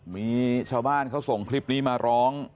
มีชาวบ้านเขาส่งคลิปนี้มาร้อง